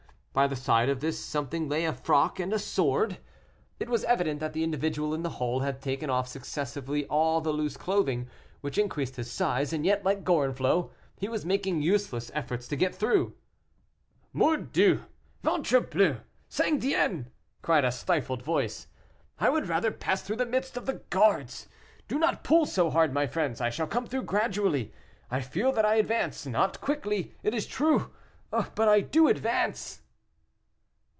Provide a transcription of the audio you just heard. By the side of this something lay a frock and a sword. It was evident that the individual in the hole had taken off successively all the loose clothing which increased his size; and yet, like Gorenflot, he was making useless efforts to get through. "Mordieu! ventrebleu! sangdien!" cried a stifled voice. "I would rather pass through the midst of the guards. Do not pull so hard, my friends; I shall come through gradually; I feel that I advance, not quickly, it is true, but I do advance."